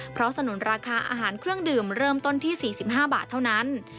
เพราะสนุนราคาอาหารเครื่องดื่มเริ่มต้นที่๔๕บาทเท่านั้น